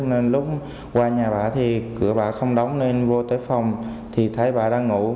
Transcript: nên lúc qua nhà bà thì cửa bà không đóng nên vô tới phòng thì thấy bà đang ngủ